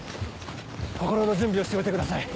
心の準備をしておいてください